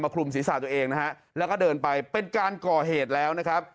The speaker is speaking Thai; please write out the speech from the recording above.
คลุมศีรษะตัวเองนะฮะแล้วก็เดินไปเป็นการก่อเหตุแล้วนะครับ